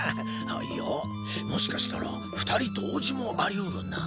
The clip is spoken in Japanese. いやもしかしたら２人同時もありうるな。